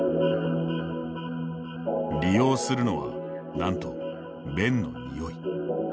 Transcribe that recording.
利用するのは、なんと便のにおい。